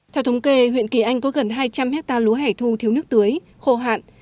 theo thống kê huyện kỳ anh có gần hai trăm linh hectare lúa hẻ thu thiếu nước tưới khô hạn